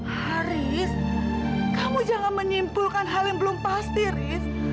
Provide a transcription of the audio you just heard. haris kamu jangan menyimpulkan hal yang belum pasti riz